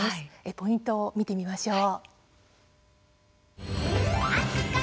ポイントを見てみましょう。